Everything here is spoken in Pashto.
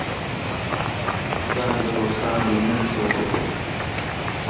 ځان د روسانو لمنې ته وغورځوي.